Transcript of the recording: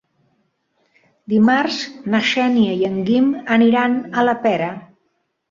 Dimarts na Xènia i en Guim aniran a la Pera.